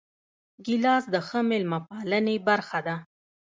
ګیلاس د ښه میلمه پالنې برخه ده.